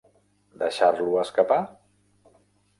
Deixar-lo escapar?